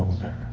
ada mirna juga